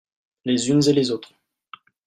Les unes et les autres.